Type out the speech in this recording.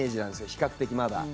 比較的まだ。